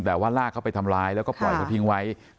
แต่ว่าลากเขาไปทำร้ายแล้วก็ปล่อยเขาทิ้งไว้